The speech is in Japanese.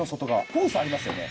ホースありますよね？